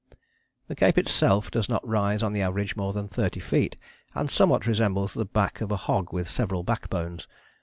The cape itself does not rise on the average more than thirty feet, and somewhat resembles the back of a hog with several backbones.